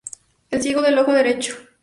Es ciego del ojo derecho.